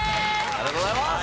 ありがとうございます！